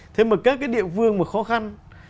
thế mà các địa phương mà khó khăn